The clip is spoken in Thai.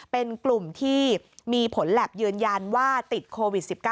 เป็นกลุ่มที่มีผลแล็บยืนยันว่าติดโควิด๑๙